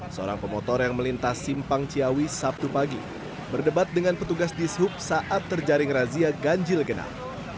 seorang pemotor yang melintas simpang ciawi sabtu pagi berdebat dengan petugas di sub saat terjaring razia ganjil genap